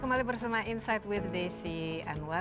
kembali bersama insight with desi anwar